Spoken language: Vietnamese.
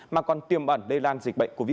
mà còn tiêm ẩn lây lan dịch bệnh covid một mươi chín